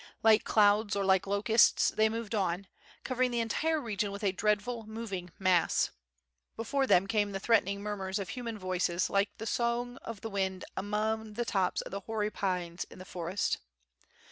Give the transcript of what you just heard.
Like clouds or like locusts they moved on, covering the entire region with a dreadful moving mass. Before them came the threatening murmurs of human voices like the sough of the wind among the tops of hoary pines in the forest.